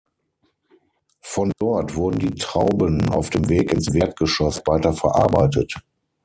Von dort wurden die Trauben auf dem Weg ins Erdgeschoss weiter verarbeitet.